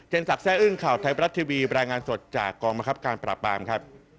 เจนศักดิ์แซ่อึ้งข่าวไทยบรัฐทีวีบรายงานสดจากกองมะครับการปราบบานครับ